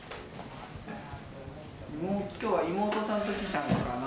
今日は妹さんと来たのかな？